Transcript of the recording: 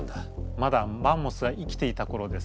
まだマンモスが生きていた頃です。